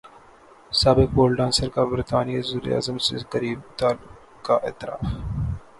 سابق pole dancer کا برطانوی وزیراعظم سے قریبی تعلق کا اعتراف